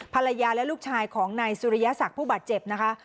ภรรยาและลูกชายของนายสุริยศักดิ์ผู้บาดเจ็บนะคะ